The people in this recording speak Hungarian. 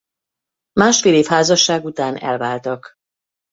Másfél év házasság után elváltak.